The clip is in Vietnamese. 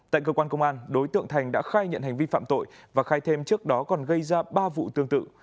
tại cơ quan công an đối tượng thành đã khai nhận hành vi phạm tội và khai thêm trước đó còn gây ra ba vụ tương tự